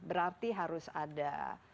berarti harus ada